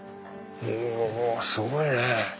すごいね！